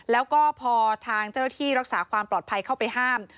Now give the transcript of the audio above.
แล้วก็พอทางเจ้าหน้าที่รักษาความปลอดภัยเข้าไปห้าม